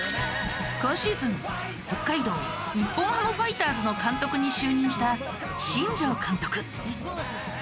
今シーズン北海道日本ハムファイターズの監督に就任した新庄監督。